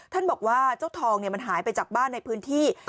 ท่านบอกว่าเจ้าทองมันหายไปจากบ้านในพื้นที่